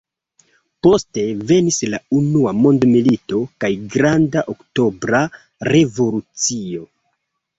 Poste venis la unua mondmilito kaj Granda Oktobra Revolucio.